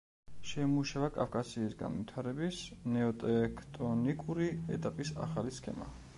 შეიმუშავა კავკასიის განვითარების ნეოტექტონიკური ეტაპის ახალი სქემა.